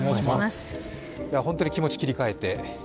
本当に気持ち切り替えて。